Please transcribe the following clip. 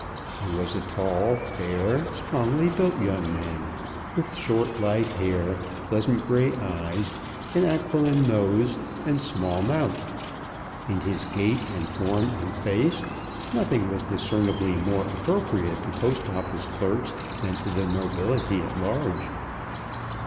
He was a tall, fair, strongly built young man, with short light hair, pleasant grey eyes, an aquiline nose, and small mouth. In his gait and form and face nothing was discernibly more appropriate to Post Office clerks than to the nobility at large.